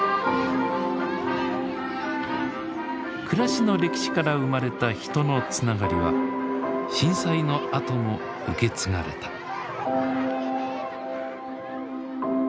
暮らしの歴史から生まれた人のつながりは震災のあとも受け継がれた。